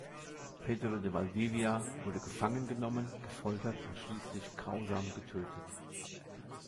Pedro de Valdivia wurde gefangen genommen, gefoltert und schließlich grausam getötet.